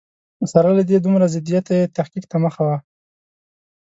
سره له دې دومره ضدیته یې تحقیق ته مخه وه.